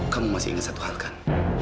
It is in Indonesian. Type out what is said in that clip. kamu masih ingat satu hal kan